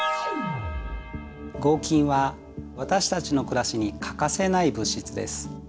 合金は私たちの暮らしに欠かせない物質です。